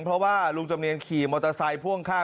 เพราะว่าลุงจำเนียนขี่มอเตอร์ไซค์พ่วงข้าง